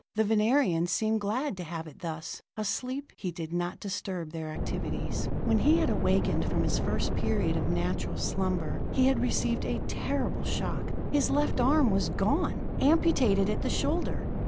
The Venerians seemed glad to have it thus: asleep, he did not disturb their activities. When he had awakened from his first period of natural slumber, he had received a terrible shock. His left arm was gone, amputated at the shoulder.